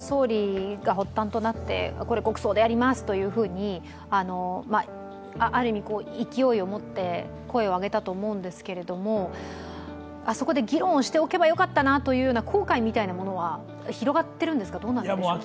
振り返ってみると岸田総理が発端となってこれ、国葬でやりますというふうにある意味、勢いを持って声を上げたと思うんですが、あそこで議論をしておけばよかったという後悔みたいなものは広がっているんですか、どうなんですか？